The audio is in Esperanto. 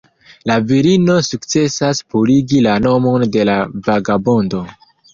La virino sukcesas purigi la nomon de la vagabondo.